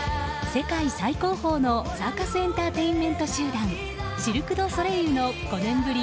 世界最高峰のサーカスエンターテインメント集団シルク・ドゥ・ソレイユの５年ぶり